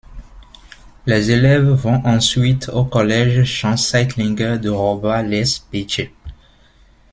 Les élèves vont ensuite au collège Jean Seitlinger de Rohrbach-lès-Bitche.